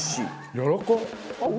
やらかっ！